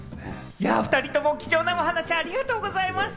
２人とも貴重なお話し、ありがとうございました。